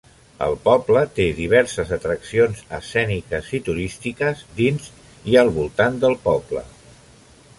El poble té diverses atraccions escèniques i turístiques dins i al voltant del poble.